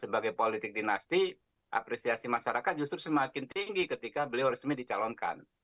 sebagai politik dinasti apresiasi masyarakat justru semakin tinggi ketika beliau resmi dicalonkan